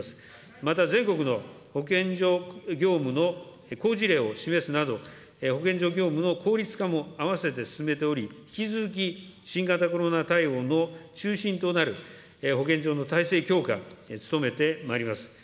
また、全国の保健所業務の好事例を示すなど、保健所業務の効率化も併せて進めており、引き続き、新型コロナ対応の中心となる保健所の体制強化、努めてまいります。